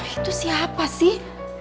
itu siapa sih